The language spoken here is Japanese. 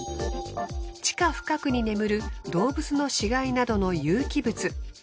地下深くに眠る動物の死骸などの有機物。